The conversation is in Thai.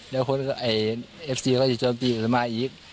แล้วคนก็ไอ้เอฟซีก็จะจอดปีกก็จะมาอีก